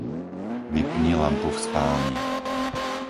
Vypni lampu v spálni.